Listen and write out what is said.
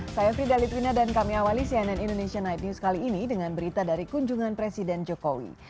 saya frida litwina dan kami awali cnn indonesia night news kali ini dengan berita dari kunjungan presiden jokowi